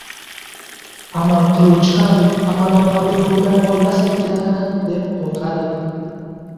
Amal qiluvchi ham “Amalim qabul bo‘lmay qolmasmikan?!” deb qo‘rqadi.